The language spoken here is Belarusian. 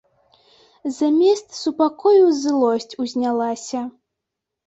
Замест супакою злосць узнялася.